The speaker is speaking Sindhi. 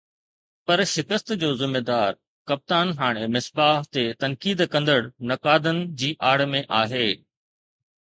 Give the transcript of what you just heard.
پر شڪست جو ”ذميدار“ ڪپتان هاڻي مصباح تي تنقيد ڪندڙ نقادن جي آڙ ۾ آهي.